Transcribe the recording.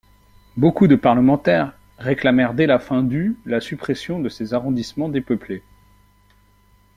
Beaucoup de parlementaires réclamèrent dès la fin du la suppression de ces arrondissements dépeuplés.